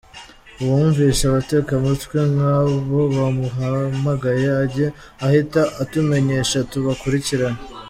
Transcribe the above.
Uwumvise abatekamutwe nk’abo bamuhamagaye ajye ahita atumenyesha tubakurikirane.